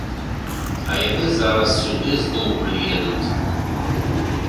А яны зараз сюды зноў прыедуць.